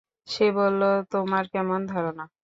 সে বলল, তোমার কেমন ধারণা?